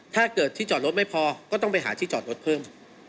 ถ้าเกิดที่จอดรถไม่พอก็ต้องไปหาที่จอดรถเพิ่ม